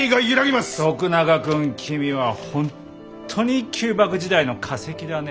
徳永君君は本当に旧幕時代の化石だね。